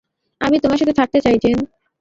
আমি তোমার সাথে থাকতে চাই, জেন।